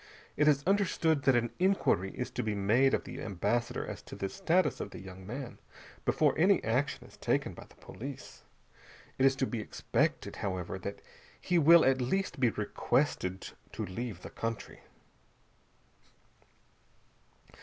It is understood that an inquiry is to be made of the Ambassador as to the status of the young man, before any action is taken by the police. It is to be expected, however, that he will at least be requested to leave the country.